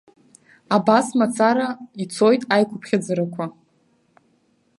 Абас мацара ицоит аиқәыԥхьаӡарақәа.